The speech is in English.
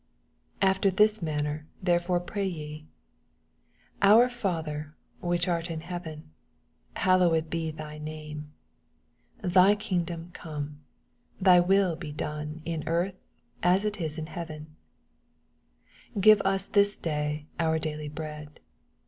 9 After this manner therefore pray je : Cor Father which art in heaven, Hallowed be thy name. 10 Thy kingdom come. Thy will be done m earui, as U is in heaven. 11 Give US this day our daily bread.